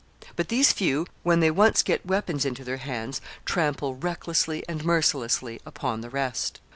But these few, when they once get weapons into their hands, trample recklessly and mercilessly upon the rest.